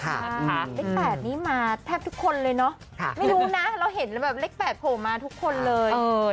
เลข๘นี้มาแทบทุกคนเลยเนาะไม่รู้นะเราเห็นแล้วแบบเลข๘โผล่มาทุกคนเลย